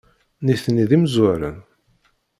Nitni d imezrawen?